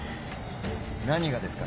何がですか？